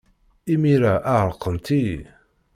Imir-a, ɛerqent-iyi.